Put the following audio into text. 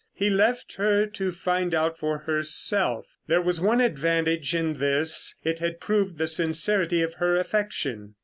He left her to find out for herself. There was one advantage in this. It had proved the sincerity of her affection.